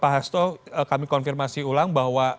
pak hasto kami konfirmasi ulang bahwa